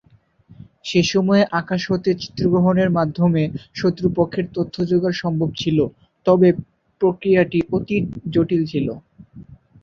সেসময়ে আকাশ হতে চিত্রগ্রহণের মাধ্যমে শত্রুপক্ষের তথ্য জোগাড় সম্ভব ছিলো তবে প্রক্রিয়াটি অতি জটিল ছিলো।